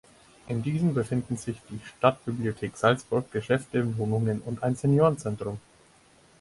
In diesem befinden sich die Stadtbibliothek Salzburg, Geschäfte, Wohnungen und ein Seniorenzentrum.